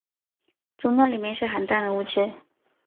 终尿里面是含氮的物质。